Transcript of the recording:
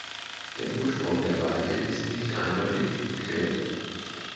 Der Ursprung der Weigel ist nicht eindeutig geklärt.